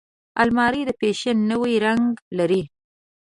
الماري د فیشن نوی رنګ لري